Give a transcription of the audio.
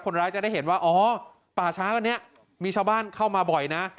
คนร้ายจะได้เห็นว่าอ๋อป่าช้าวันนี้มีชาวบ้านเข้ามาบ่อยนะ